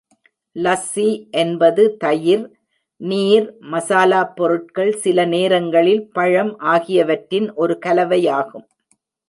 லஸ்ஸி என்பது தயிர், நீர், மசாலாப் பொருட்கள், சில நேரங்களில் பழம் ஆகியவற்றின் ஒரு கலவையாகும்.